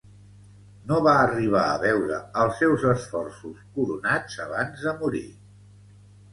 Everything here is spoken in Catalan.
No va arribar a veure els seus esforços coronats abans de morir.